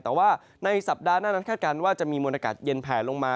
แต่ว่าในสัปดาห์หน้านั้นคาดการณ์ว่าจะมีมวลอากาศเย็นแผลลงมา